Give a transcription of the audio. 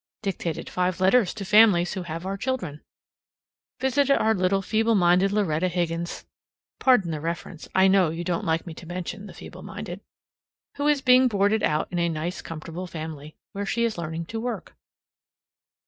Dictated five letters to families who have our children. Visited our little feeble minded Loretta Higgins (pardon the reference; I know you don't like me to mention the feeble minded), who is being boarded out in a nice comfortable family, where she is learning to work.